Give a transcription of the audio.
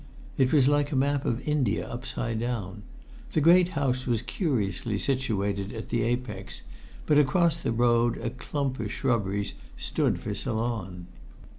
It was like a map of India upside down. The great house was curiously situated in the apex, but across the road a clump of shrubberies stood for Ceylon.